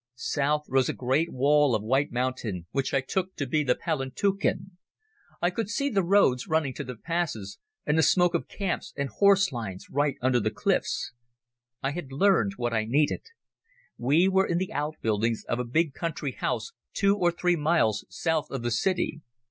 South rose a great wall of white mountain, which I took to be the Palantuken. I could see the roads running to the passes, and the smoke of camps and horse lines right under the cliffs. I had learned what I needed. We were in the outbuildings of a big country house two or three miles south of the city.